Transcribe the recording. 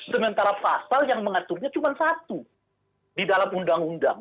sementara pasal yang mengaturnya cuma satu di dalam undang undang